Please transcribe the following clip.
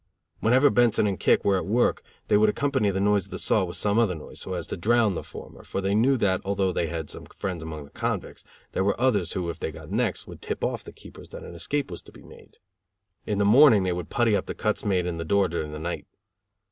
Whenever Benson and Kick were at work, they would accompany the noise of the saw with some other noise, so as to drown the former, for they knew that, although they had some friends among the convicts, there were others who, if they got next, would tip off the keepers that an escape was to be made. In the morning they would putty up the cuts made in the door during the night.